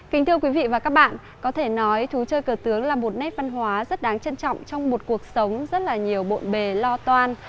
kính thưa quý vị và các bạn có thể nói thú chơi cờ tướng là một nét văn hóa rất đáng trân trọng trong một cuộc sống rất là nhiều bộn bề lo toan